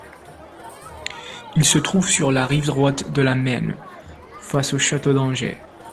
Il se trouve sur la rive droite de la Maine, face au château d'Angers.